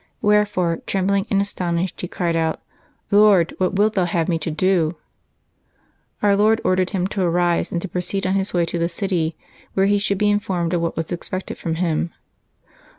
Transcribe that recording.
Wherefore, trembling and astonished, he cried out, " Loi d, what wilt Thou have me to do r " Our Lord ordered him to arise and to proceed on his way to the city, where he should be informed of what was expected from him.